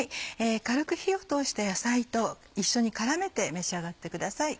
軽く火を通した野菜と一緒に絡めて召し上がってください。